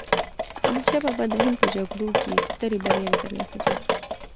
احمد شاه بابا د هند په جګړو کې یې سترې بریاوې ترلاسه کړې.